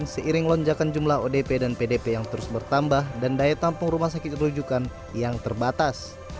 seiring lonjakan jumlah odp dan pdp yang terus bertambah dan daya tampung rumah sakit rujukan yang terbatas